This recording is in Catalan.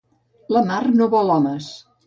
La mar no vol homes